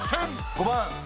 ５番！